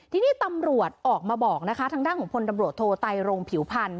ทีนี้ตำรวจออกมาบอกนะคะทางด้านของพลตำรวจโทไตรรงผิวพันธ